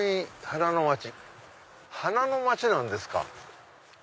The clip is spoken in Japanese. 花の街なんですか。